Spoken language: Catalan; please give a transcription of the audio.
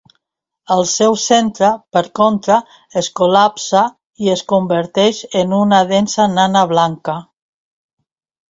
El seu centre, per contra, es col·lapsa i es converteix en una densa nana blanca.